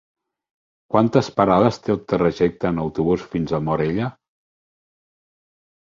Quantes parades té el trajecte en autobús fins a Morella?